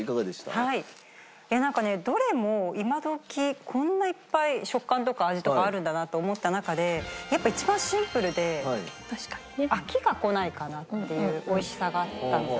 いやなんかねどれも今どきこんないっぱい食感とか味とかあるんだなって思った中でやっぱ一番シンプルで飽きがこないかなっていう美味しさがあったんですよ。